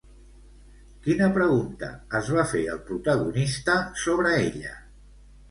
Quina pregunta es va fer el protagonista sobre ella?